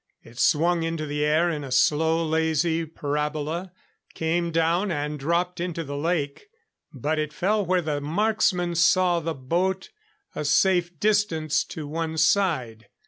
It swung into the air in a slow, lazy parabola, came down and dropped into the lake. But it fell where the marksman saw the boat, a safe distance to one side.